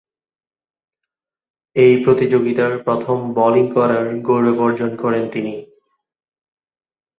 এ প্রতিযোগিতার প্রথম বোলিং করার গৌরব অর্জন করেন তিনি।